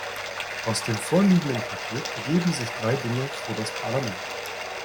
Aus dem vorliegenden Paket ergeben sich drei Dinge für das Parlament.